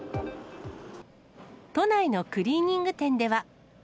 都内のクリーニング店では。